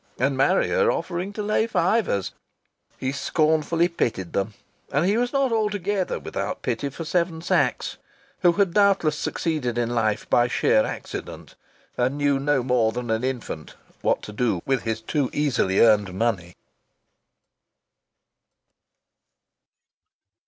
And Marrier offering to lay fivers!... He scornfully pitied them. And he was not altogether without pity for Seven Sachs, who had doubtless succeeded in life by sheer accident and knew no more than an infant what to do with his too easily earned money.